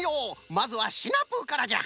まずはシナプーからじゃ。